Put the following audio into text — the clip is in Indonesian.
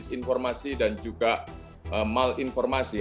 misinformasi disinformasi dan juga malinformasi